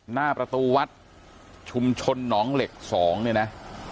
หน้าประตูวัดชุมชนหนองเหล็ก๒เนี่ยนะ